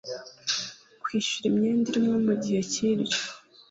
kwishyura imyenda irimo mu gihe cy iryo